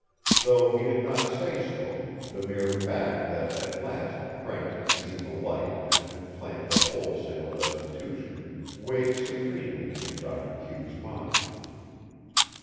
Though he did not say so, the mere fact that at last Brent had seen the light and had planned a wholesale restitution weighed supremely in Doctor Q's mind.